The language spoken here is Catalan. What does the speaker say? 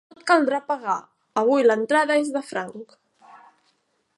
No et caldrà pagar: avui l'entrada és de franc.